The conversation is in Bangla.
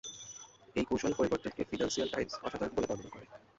এই কৌশল পরিবর্তনকে "ফিন্যান্সিয়াল টাইমস" "অসাধারণ" বলে বর্ণনা করে।